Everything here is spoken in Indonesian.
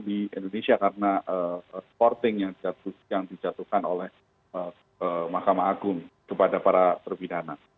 di indonesia karena sporting yang dijatuhkan oleh mahkamah agung kepada para terpidana